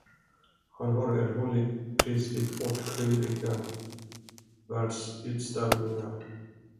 Han har erhållit pris vid åtskilliga världsutställningar.